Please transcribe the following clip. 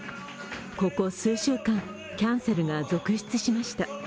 ここ数週間、キャンセルが激増しました。